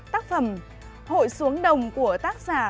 tác phẩm hội xuống đồng của tác giả